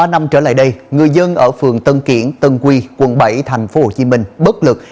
ba năm trở lại đây người dân ở phường tân kiển tân quy quận bảy tp hcm bất lực